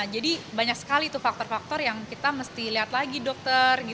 banyak sekali tuh faktor faktor yang kita mesti lihat lagi dokter